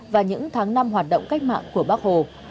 và những tháng năm hoạt động cách mạng của bác hồ